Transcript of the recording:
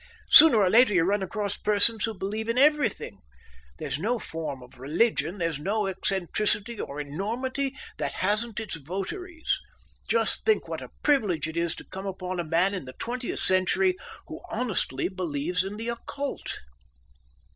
Sooner or later you run across persons who believe in everything. There's no form of religion, there's no eccentricity or enormity, that hasn't its votaries. Just think what a privilege it is to come upon a man in the twentieth century who honestly believes in the occult."